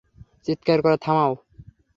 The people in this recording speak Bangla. চিৎকার করা থামাও।